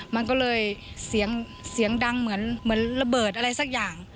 มันก็เลยเสียงดังเหมือนระเบิดอะไรสักอย่าง